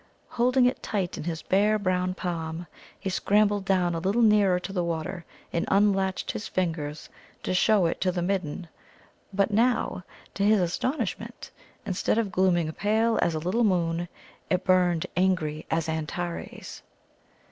Holding it tight in his bare brown palm, he scrambled down a little nearer to the water, and unlatched his fingers to show it to the Midden. But now, to his astonishment, instead of glooming pale as a little moon, it burned angry as Antares.